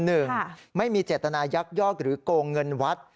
หนึ่งไม่มีเจตนายักยอกหรือโกงเงินวัด